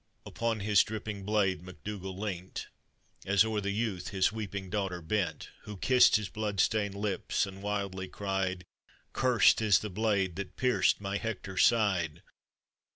Upon his dripping blade MacDougall leant, As o'er the youth his weeping daughter bent, Who kissed his blood stained lips, and wildly cried, " Cursed is the blade that pierced my Hector's side!"